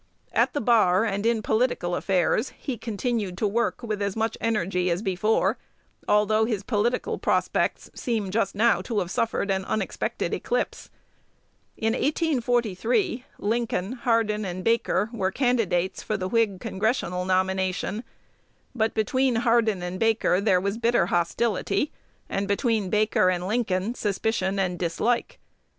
At the bar and in political affairs he continued to work with as much energy as before, although his political prospects seem just now to have suffered an unexpected eclipse. In 1843, Lincoln, Hardin, and Baker were candidates for the Whig congressional nomination; but between Hardin and Baker there was "bitter hostility," and between Baker and Lincoln "suspicion and dislike."